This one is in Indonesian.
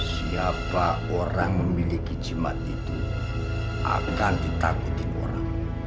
siapa orang memiliki jimat itu akan ditakuti orang